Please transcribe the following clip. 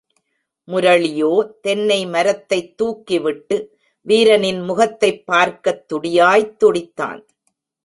முரளியோ தென்னை மரத்தைத் தூக்கிவிட்டு, வீரனின் முகத்தைப் பார்க்கத் துடியாய்த் துடித்தான்.